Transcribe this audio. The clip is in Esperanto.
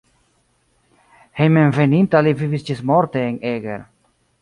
Hejmenveninta li vivis ĝismorte en Eger.